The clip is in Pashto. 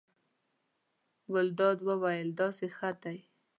ګلداد وویل: داسې ښه دی.